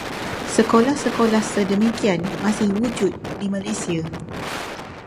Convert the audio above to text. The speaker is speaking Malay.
Sekolah-sekolah sedemikian masih wujud di Malaysia.